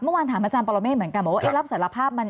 เมื่อวานถามอาจารย์ปรเมฆเหมือนกันบอกว่ารับสารภาพมัน